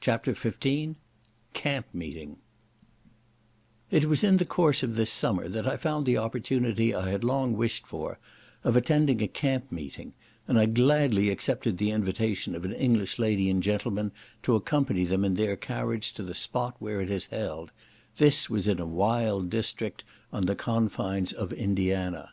CHAPTER XV Camp Meeting It was in the course of this summer that I found the opportunity I had long wished for, of attending a camp meeting, and I gladly accepted the invitation of an English lady and gentleman to accompany them in their carriage to the spot where it is held; this was in a wild district on the confines of Indiana.